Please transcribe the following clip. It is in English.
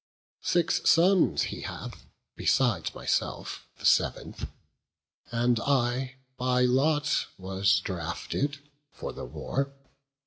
Six sons he hath, besides myself, the sev'nth; And I by lot was drafted for the war.